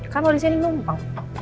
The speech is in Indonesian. kan lo disini numpeng